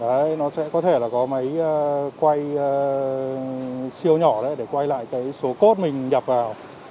đấy nó sẽ có thể là có máy quay siêu nhỏ đấy để quay lại cái số cốt mình nhập vào